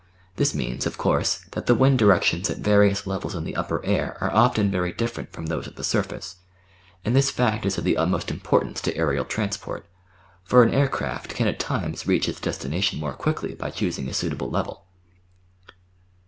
This means, of course, that the wind directions at various levels in the upper air are often very different from those at the surface, and this fact is of the utmost importance to aerial transport, for an air craft can at times reach its destination more quickly by choosing a suitable level.